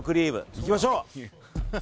行きましょう！